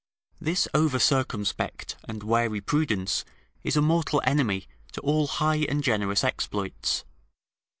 This over circumspect and wary prudence is a mortal enemy to all high and generous exploits.